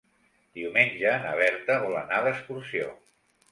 Diumenge na Berta vol anar d'excursió.